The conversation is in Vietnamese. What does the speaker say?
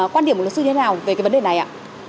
quan điểm của luật sư như thế nào về vấn đề này ạ